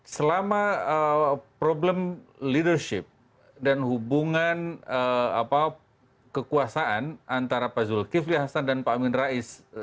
selama problem leadership dan hubungan kekuasaan antara pak zulkifli hasan dan pak amin rais